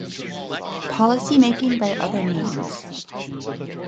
Policymaking by other Means.